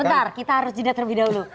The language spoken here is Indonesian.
sebentar kita harus jeda terlebih dahulu